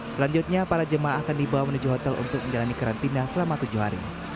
selanjutnya para jemaah akan dibawa menuju hotel untuk menjalani karantina selama tujuh hari